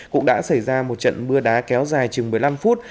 cũng đã xảy ra một trận mưa đá kéo dài chừng một mươi năm phút